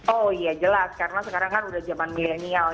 oh iya jelas karena sekarang kan udah zaman milenial